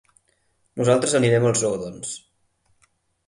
Nosaltres anirem al zoo, doncs.